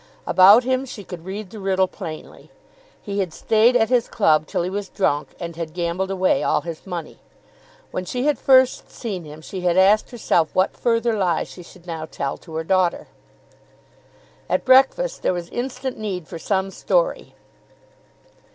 About him she could read the riddle plainly. He had stayed at his club till he was drunk, and had gambled away all his money. When she had first seen him she had asked herself what further lie she should now tell to her daughter. At breakfast there was instant need for some story.